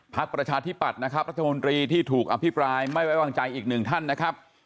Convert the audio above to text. ประชาธิปัตย์นะครับรัฐมนตรีที่ถูกอภิปรายไม่ไว้วางใจอีกหนึ่งท่านนะครับ